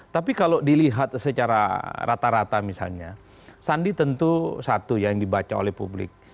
tapi kalau dilihat secara rata rata misalnya sandi tentu satu yang dibaca oleh publik